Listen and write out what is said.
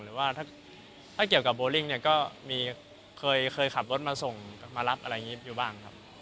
หรือว่าถ้าเกี่ยวกับโบริงก็เคยขับรถมาส่งมารับอะไรอยู่บ้างครับ